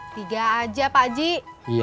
tiga aja pak ji